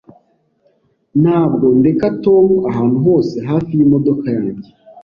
Ntabwo ndeka Tom ahantu hose hafi yimodoka yanjye.